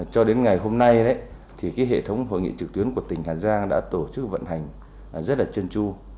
cho đến ngày hôm nay hệ thống hội nghị trực tuyến của tỉnh hà giang đã tổ chức vận hành rất chân tru